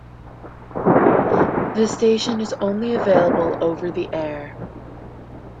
The station is only available over-the-air.